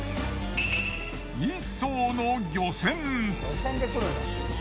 １艘の漁船。